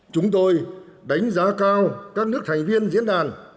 chúng tôi đánh giá cao các nước thành viên diễn đàn